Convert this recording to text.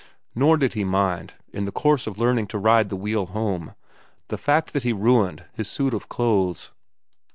Nor did he mind, in the course of learning to ride the wheel home, the fact that he ruined his suit of clothes.